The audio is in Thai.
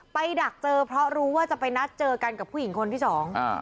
ดักเจอเพราะรู้ว่าจะไปนัดเจอกันกับผู้หญิงคนที่สองอ่า